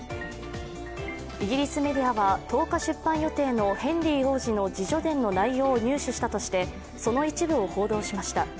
イギリスメディアは１０日、出版予定のヘンリー王子の自叙伝の内容を入手したとしてその一部を報道しました。